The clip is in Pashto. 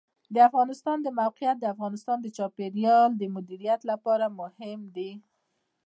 د افغانستان د موقعیت د افغانستان د چاپیریال د مدیریت لپاره مهم دي.